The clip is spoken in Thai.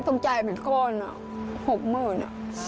ต้องจ่ายเหมือนก้อนหกหมื่น